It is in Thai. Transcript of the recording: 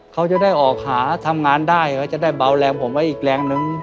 เขาจะได้ออกหาทำงานได้เขาจะได้เบาแรงผมไว้อีกแรงนึง